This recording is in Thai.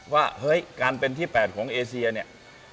ว่าเฮ้ยการเป็นที่๘ของเอเซียเนี่ย